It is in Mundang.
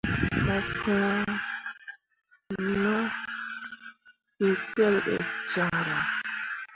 Yo pũũ no ke pelɓe caŋryaŋ.